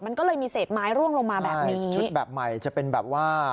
มันก็เลยมีเศษไม้ร่วงลงมาแบบนี้ชุดแบบใหม่จะเป็นแบบว่า